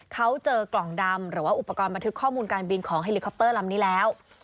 เขาเจอกล่องดำหรือว่าอุปกรณ์บันทึกข้อมูลการบินของเฮลิคอปเตอร์ลำนี้แล้ว